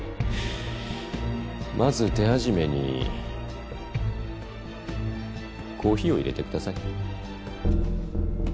まず手始めにコーヒーを入れてください。